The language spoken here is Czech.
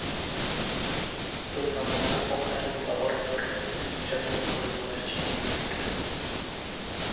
To znamená ochranu laboratorních zvířat, nikoli komerční zisky.